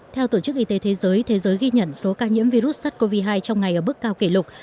theo tổ chức y tế thế giới thế giới ghi nhận số ca nhiễm virus sars cov hai trong ngày ở mức cao kỷ lục